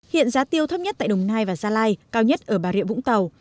hiện giá tiêu thấp nhất tại đồng nai và gia lai cao nhất ở bà rịa vũng tàu